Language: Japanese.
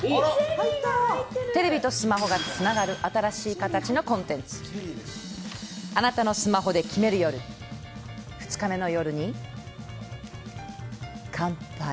テレビとスマホがつながる新しい形のコンテンツ貴方のスマホで決める夜２日目の夜に乾杯。